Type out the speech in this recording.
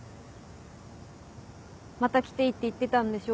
「また来ていい」って言ってたんでしょ？